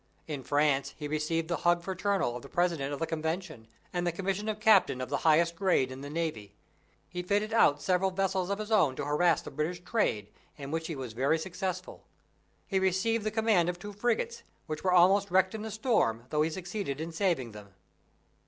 In France he received the hug fraternal of the President of the Convention, and the commission of Captain of the highest grade in the Navy. He fitted out several vessels of his own to harass the British trade, in which he was very successful. He received the command of two frigates, which were almost wrecked in a storm, though he succeeded in saving them.